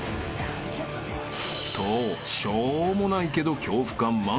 ［としょうもないけど恐怖感満載］